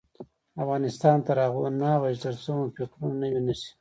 افغانستان تر هغو نه ابادیږي، ترڅو مو فکرونه نوي نشي.